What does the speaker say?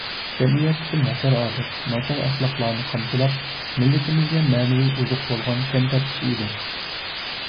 جەمئىيەتتىكى ناچار ئادەت، ناچار ئەخلاقلارنى قامچىلاپ، مىللىتىمىزگە مەنىۋى ئوزۇق بولغان كەمتەر كىشى ئىدى.